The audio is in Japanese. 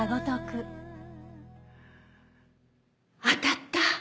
当たった！